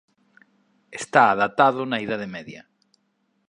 Está datado na Idade Media.